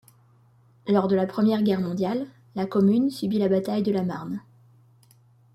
Lors de la Première Guerre mondiale, la commune subit la bataille de la Marne.